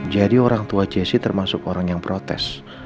jadi orang tua jesse termasuk orang yang protes